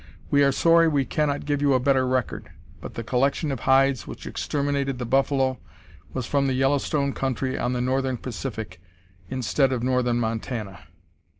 We are sorry we can not give you a better record, but the collection of hides which exterminated the buffalo was from the Yellowstone country on the Northern Pacific, instead of northern Montana."